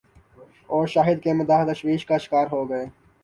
اور شاہد کے مداح تشویش کا شکار ہوگئے۔